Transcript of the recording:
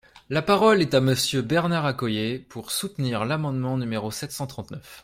La parole est à Monsieur Bernard Accoyer, pour soutenir l’amendement numéro sept cent trente-neuf.